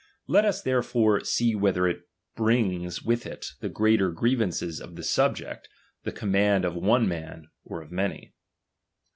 Let us therefore see whether brings with it the greater grievances to the subject, the command of one man, or of many.